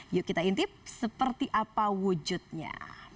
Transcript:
yuk kita intip seperti apa wujudnya